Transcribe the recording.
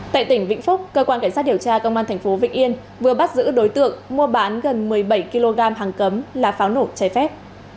tại tỉnh vĩnh phúc cơ quan cảnh sát điều tra công an thành phố vĩnh yên vừa bắt giữ đối tượng mua bán gần một mươi bảy kg hàng cấm là pháo nổ cháy phép